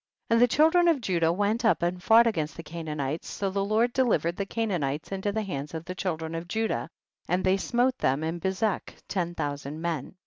4. And the children of Judah went up and fought against the Canaanites, so the Jjord delivered the Canaan ites into the hands of the children of Judah, and they smote them in Be zek, ten thousand men.